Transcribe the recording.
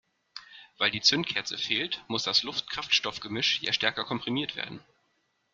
Weil die Zündkerze fehlt, muss das Luft-Kraftstoff-Gemisch ja stärker komprimiert werden.